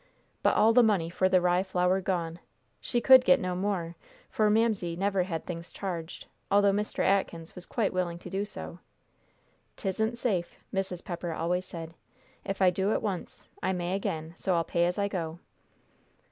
But all the money for the rye flour gone! She could get no more, for Mamsie never had things charged, although Mr. Atkins was quite willing to do so. "'Tisn't safe," Mrs. Pepper always said; "if I do it once, I may again, so I'll pay as I go."